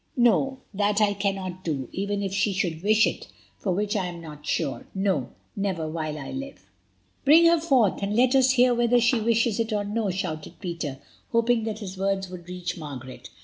"No, that I cannot do, even if she should wish it, of which I am not sure; no—never while I live." "Bring her forth, and let us hear whether she wishes it or no," shouted Peter, hoping that his words would reach Margaret.